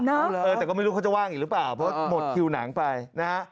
เออแต่ก็ไม่รู้เขาจะว่างอีกหรือเปล่าเพราะหมดคิวหนังไปนะฮะ